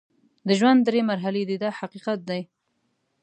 د ژوند درې مرحلې دي دا حقیقت دی.